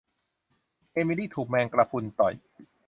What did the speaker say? เอมิลีถูกแมงกะพรุนต่อย